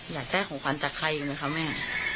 อยากได้ของขวัญจากใครกันไหมคะแม่